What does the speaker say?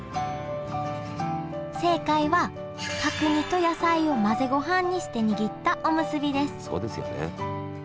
正解は角煮と野菜を混ぜごはんにして握ったおむすびですそうですよね。